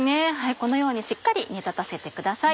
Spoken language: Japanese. このようにしっかり煮立たせてください。